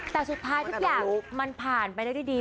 แต่สุดท้ายทุกอย่างมันผ่านไปได้ด้วยดี